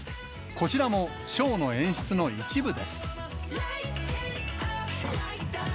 こちらもショーの演出の一部です。